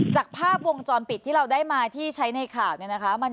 จากภาพวงจรปิดที่เราได้มาที่ใช้ในข่าวเนี่ยนะคะ